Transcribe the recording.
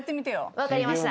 分かりました。